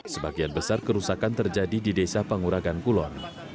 sebagian besar kerusakan terjadi di desa panguragan kulon